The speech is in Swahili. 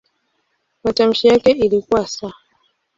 Matamshi yake ilikuwa "s".